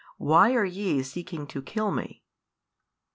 why are ye seeking to kill Me?